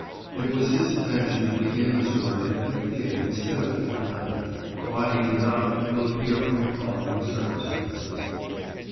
It was his intention to begin this work in '58 instead of '59. Why he did not will appear from the following circumstances.